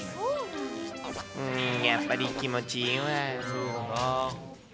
うーん、やっぱり気持ちいいわ。